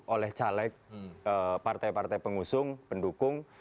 oleh caleg partai partai pengusung pendukung